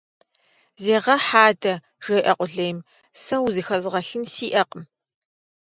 Зегъэхь адэ! - жеӀэ къулейм. - Сэ узыхэзгъэлъын сиӀэкъым.